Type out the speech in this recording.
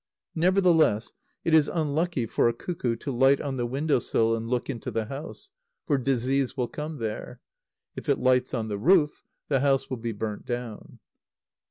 Nevertheless, it is unlucky for a cuckoo to light on the window sill and look into the house; for disease will come there. If it lights on the roof, the house will be burnt down.